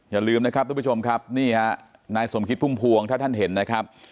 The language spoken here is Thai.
อย่าลืมนะครับทุกผู้ชมครับนี่ฮะนายสมคิดพุ่มพวงถ้าท่านเห็นนะครับ